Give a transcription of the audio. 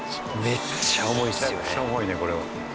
めちゃくちゃ重いねこれは。